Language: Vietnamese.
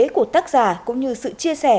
của tác giả cũng như sự chia sẻ